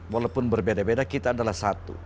walaupun berbeda beda kita adalah satu